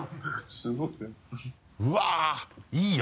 すごいな。